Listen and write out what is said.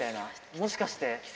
もしかして？